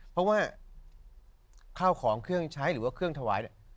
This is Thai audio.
เพราะว่าเข้าของเครื่องใช้หรือเครื่องถวาย